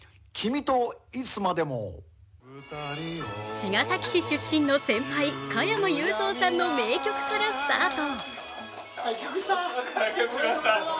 茅ヶ崎市出身の先輩、加山雄三さんの名曲からスタート。